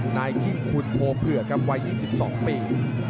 นายยิ่งคุณโพเผือกครับวัย๒๒ปี